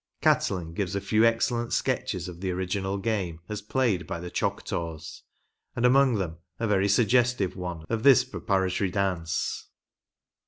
Catlin gives a few excellent sketches of the original game as played by the Choctaws, and among them a very suggestive one of this preparatory dance.